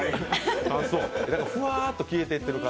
ふわっと消えてってる感じ。